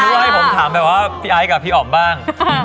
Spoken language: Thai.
ว่าให้ผมถามแบบว่าพี่ไอ้กับพี่อ๋อมบ้าง